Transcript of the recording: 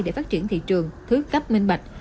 để phát triển thị trường thứ cấp minh bạch